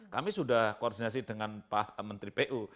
kami sudah koordinasi dengan pak menteri pu